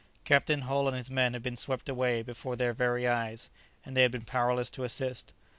Captain Hull and his men had been swept away before their very eyes, and they had been powerless to assist.